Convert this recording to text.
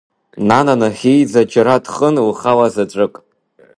Нана нахьхьиӡа џьара дхын, лхала заҵәык.